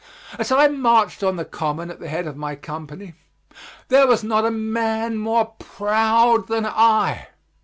As I marched on the Common at the head of my company, there was not a man more proud than I.